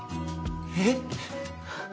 えっ。